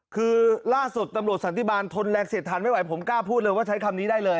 คือล่าสุดตำรวจสันติบาลทนแรงเสียดทันไม่ไหวผมกล้าพูดเลยว่าใช้คำนี้ได้เลย